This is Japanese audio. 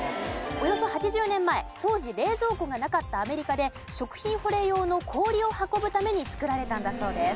およそ８０年前当時冷蔵庫がなかったアメリカで食品保冷用の氷を運ぶために作られたんだそうです。